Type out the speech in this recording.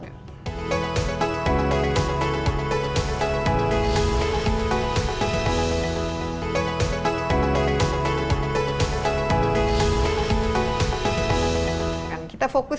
sumber sumber energi terbarukan